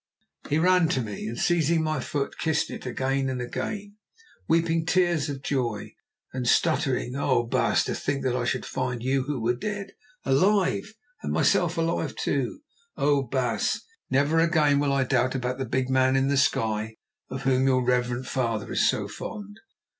He ran to me, and seizing my foot, kissed it again and again, weeping tears of joy and stuttering: "Oh, baas, to think that I should find you who were dead, alive, and find myself alive, too. Oh! baas, never again will I doubt about the Big Man in the sky of whom your reverend father is so fond.